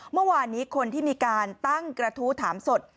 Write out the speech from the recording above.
เมื่อวานนี้คนที่มีการตั้งกระทู้ถามสด